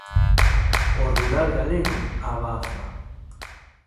O rural galego abafa.